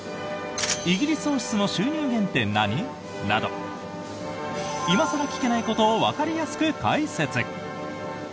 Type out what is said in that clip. イギリス王室の収入源って何？など今更聞けないことをわかりやすく解説。